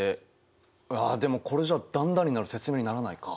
でもこれじゃあ段々になる説明にならないか。